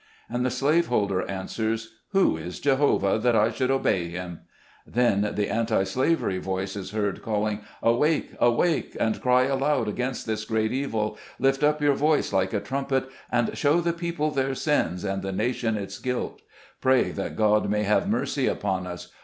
And the slave holder answers, "Who is Jehovah, that I should obey him ?" Then the Anti Slavery voice is heard, calling, "Awake! Awake! and cry aloud against this great evil; lift up your voice like a trumpet, and show the people their sins, and the nation its guilt. Pray that God may have mercy upon us.